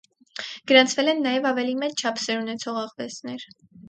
Գրանցվել են նաև ավելի մեծ չափսեր ունեցող աղվեսներ։